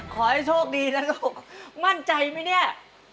ขอให้โชคดีนะลูกมั่นใจไหมเนี่ย